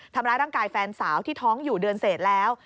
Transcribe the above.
ทำร้ายร่างกายแฟนสาวที่ท้องอยู่เดือนเสร็จแล้ว